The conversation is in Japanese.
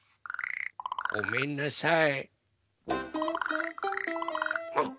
ごめんなさい。